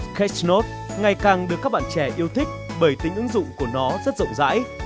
sketch note ngày càng được các bạn trẻ yêu thích bởi tính ứng dụng của nó rất rộng rãi